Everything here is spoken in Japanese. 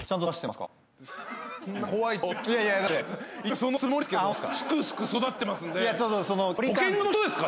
すくすく育ってますんで。